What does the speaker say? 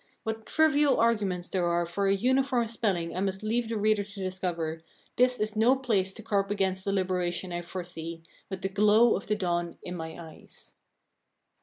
What trivial arguments there are for a uniform spelling I must leave the reader to discover. This is no place to carp against the liberation I foresee, with the glow of the dawn in my eyes.